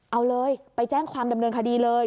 เอาเลยไปแจ้งความดำเนินคดีเลย